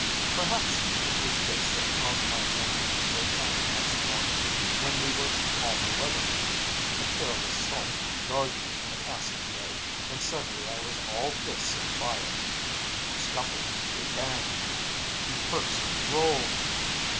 "Perhaps it was this that caused my anger to break out the next morning when we were in calmer weather. A careless salt jarred me in a passage way, and suddenly I was all fists and fire. We scuffled, we banged, we cursed, we rolled.